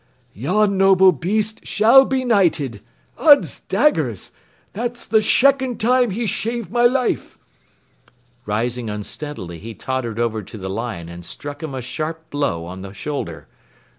"Yon noble bheast shall be knighted. Uds daggers! That's the shecond time he's shaved my life!" Rising unsteadily, he tottered over to the Lion and struck him a sharp blow on the shoulder.